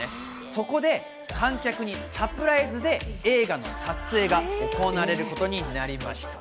そこで観客にサプライズで映画の撮影が行われることになりました。